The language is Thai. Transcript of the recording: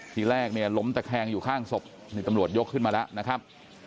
ที่แรกล้มแคลงอยู่ข้างศพตำรวจนี่ยกขึ้นมาแล้วนะครับ